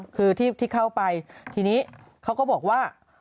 คือที่เข้าไปทีนี้เขาก็บอกว่า